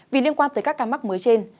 vì liên quan tới các ca mắc mới trên